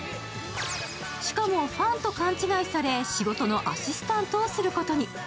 しかもファンと勘違いされ、仕事のアシスタントをすることに。